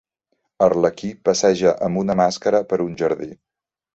Arlequí passeja amb una màscara per un jardí.